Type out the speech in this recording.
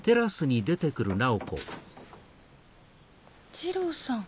二郎さん。